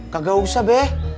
kagak usah be